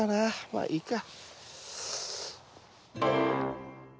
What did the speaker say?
まあいいか。